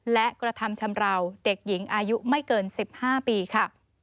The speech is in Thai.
และกระทำชำราวเด็กหญิงอายุไม่เกิน๑๕ปีค่ะ